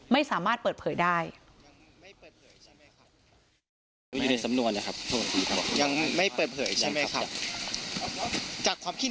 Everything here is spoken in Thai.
ไม่สามารถเปิดเผยได้